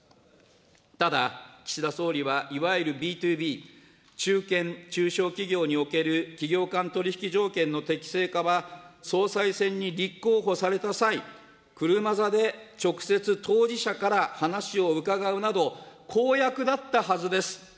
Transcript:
ただ、岸田総理はいわゆるＢｔｏＢ、中堅・中小企業における企業間取引条件の適正化は、総裁選に立候補された際、車座で直接当事者から話を伺うなど、公約だったはずです。